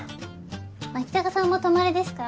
牧高さんも泊まりですか？